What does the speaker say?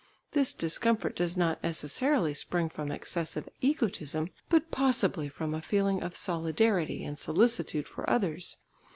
This discomfort does not necessarily spring from excessive egotism, but possibly from a feeling of solidarity and solicitude for others.